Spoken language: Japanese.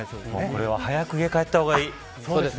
これは早く家に帰った方がいい。